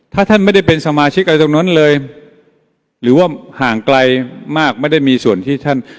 ถ้าท่านไม่ได้เป็นสมาชิกอะไรตรงนั้นเลยหรือว่าห่างไกลมากไม่ได้มีส่วนที่ท่าน